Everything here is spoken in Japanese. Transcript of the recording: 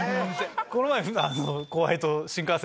この前。